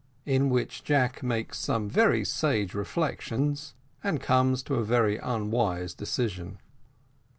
IN WHICH JACK MAKES SOME VERY SAGE REFLECTIONS, AND COMES TO A VERY UNWISE DECISION.